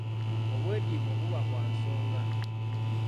Obwediimo buba bwa nsonga.